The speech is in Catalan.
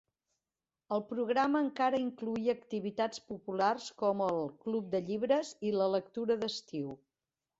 El programa encara incloïa activitats populars, com el "Club de llibres" i la "Lectura d"estiu".